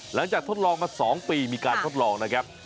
หลังจากทดลองกัน๒ปีมีการทดลองนะครับ